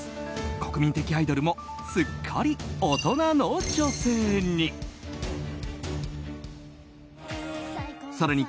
国民的アイドルもすっかり大人の女性に。